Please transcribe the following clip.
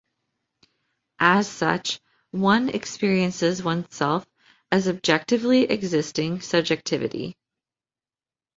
As such, one experiences oneself as objectively existing subjectivity.